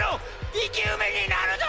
生き埋めになるぞ！！